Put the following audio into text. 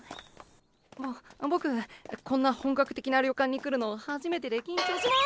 ボボクこんな本格的な旅館に来るの初めてで緊張しま。